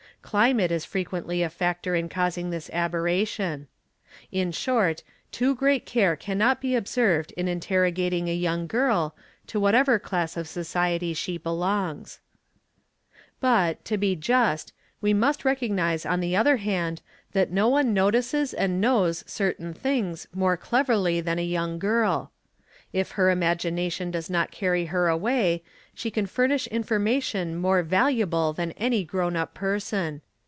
Climate is frequently a fact in causing this aberration. In short, too great care cannot be observed i interrogating a young girl, to whatever class of society she belongs 4, But, to be just, we must recognise on the other hand that no o1 notices and knows certain things more cleverly than a young girl. | DIFFERENCES IN NATURAL QUALITIES AND CULTURE 95 he: imagination does not carry her away, she can furnish information 'more valuable than any grown up person.